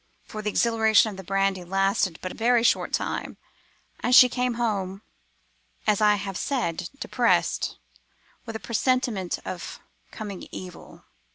For the exhilaration of the brandy lasted but a very short time, and she came home, as I have said, depressed, with a presentiment of coming evil.